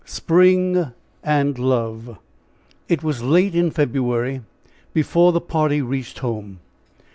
SPRING AND LOVE. It was late in February before the party reached home.